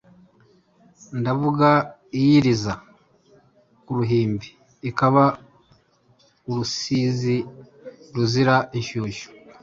Ndavuga iyiriza ku ruhimbi, Ikaba urusizi ruzira inshushyu !